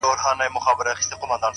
او د حسن څخه مراد حیا ده